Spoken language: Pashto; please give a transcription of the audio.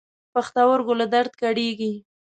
پښتورګو له درد کړېږم.